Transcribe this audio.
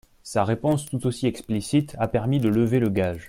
Sa réponse tout aussi explicite a permis de lever le gage.